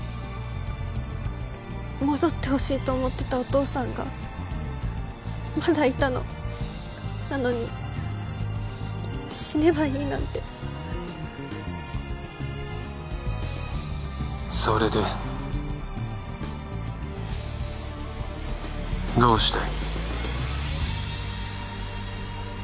戻ってほしいと思ってたお父さんがまだいたのなのに死ねばいいなんてそれでどうしたい？